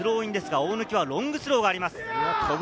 大貫はロングスローがあります。